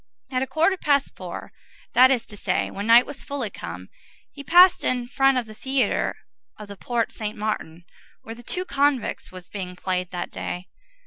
At a quarter past four, that is to say, when night was fully come, he passed in front of the theatre of the Porte Saint Martin, where The Two Convicts was being played that day.